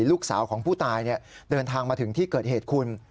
ลูกสาวของผู้ตายเดินทางมาถึงที่เกิดเหตุคุณ